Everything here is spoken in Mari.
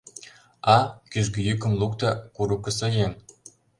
— А, — кӱжгӧ йӱкым лукто курыкысо еҥ.